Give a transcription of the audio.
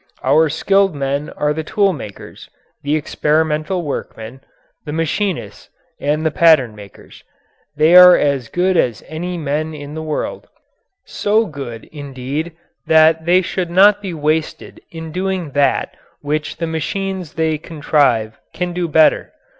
Our skilled men are the tool makers, the experimental workmen, the machinists, and the pattern makers. They are as good as any men in the world so good, indeed, that they should not be wasted in doing that which the machines they contrive can do better.